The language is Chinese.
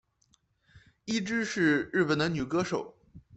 伊织是日本的女歌手。